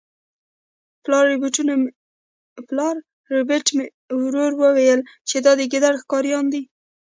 پلار ربیټ په ورو وویل چې دا د ګیدړ ښکاریان دي